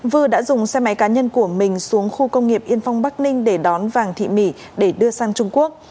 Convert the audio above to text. vư đã dùng xe máy cá nhân của mình xuống khu công nghiệp yên phong bắc ninh để đón vàng thị mỹ để đưa sang trung quốc